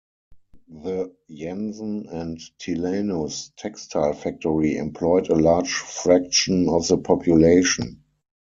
The Jansen and Tilanus textile factory employed a large fraction of the population.